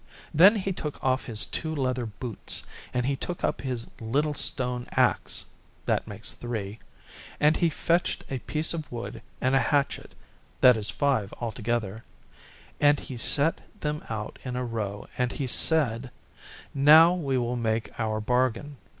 Then he took off his two leather boots and he took up his little stone axe (that makes three) and he fetched a piece of wood and a hatchet (that is five altogether), and he set them out in a row and he said, 'Now we will make our bargain.